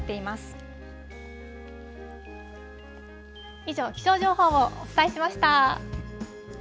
以上、気象情報をお伝えしました。